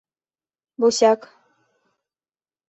Босяк.